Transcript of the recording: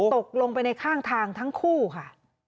ตกลงไปในข้างทางทั้งคู่ค่ะ